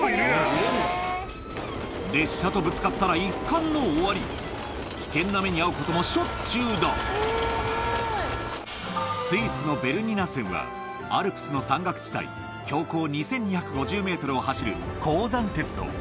列車とぶつかったら一巻の終わり危険な目に遭うこともしょっちゅうだアルプスの山岳地帯標高２２５０ｍを走る鉱山鉄道